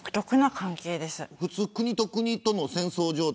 普通、国と国との戦争状態